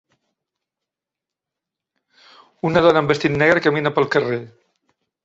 Una dona amb vestit negre camina pel carrer.